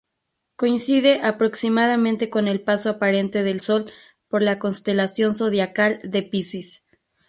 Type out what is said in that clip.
Coincide aproximadamente con el paso aparente del Sol por la constelación zodiacal de Piscis.